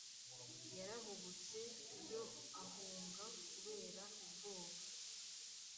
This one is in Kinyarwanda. Yarahubutse yo ahunga kubera ubwoba